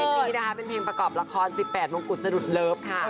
นี้นะคะเป็นเพลงประกอบละคร๑๘มงกุฎสะดุดเลิฟค่ะ